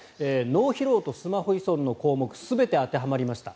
脳疲労とスマホ依存の項目全て当てはまりました。